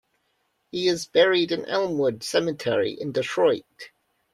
He is buried in Elmwood Cemetery in Detroit.